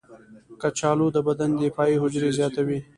کچالو د بدن دفاعي حجرې زیاتوي.